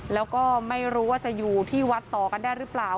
แล้วก็ไม่รู้ว่าจะอยู่ที่วัดต่อกันได้หรือเปล่า